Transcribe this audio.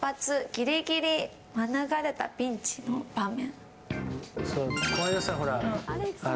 ギリギリ免れたピンチの場面。